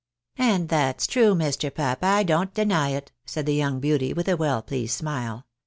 " And that's true, Mr. Pap, I don't deny it," said the young beauty, with a well pleased smile.